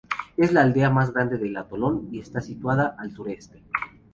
Es la aldea más grande del atolón y está situada al sureste.